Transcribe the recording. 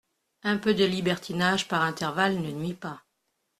Un peu de libertinage par intervalle ne nuit pas.